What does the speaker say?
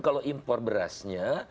kalau impor berasnya